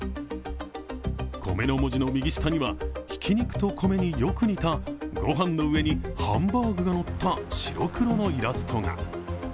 米の文字の右下には、挽肉と米によく似た御飯の上にハンバーグがのった白黒のイラストが。